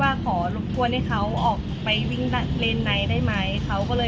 เขาก็แล้วเขาก็ขับไปเรื่อยเรื่อยก็ยัดทางประมาณเท่าไหร่งานโวยวาย